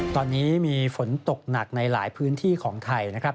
ตอนนี้มีฝนตกหนักในหลายพื้นที่ของไทยนะครับ